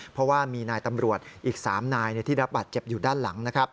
เพราะว่ามีนายตำรวจอีก๓นายที่รับบาดเจ็บอยู่ด้านหลังนะครับ